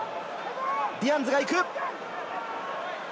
ディアンズが行く！